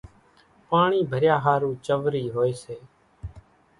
پاڻِي ڀريا ۿارُو چورِي هوئيَ سي۔